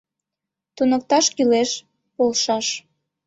Туныкташ кӱлеш, полшаш.